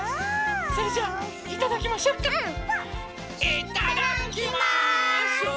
いただきます！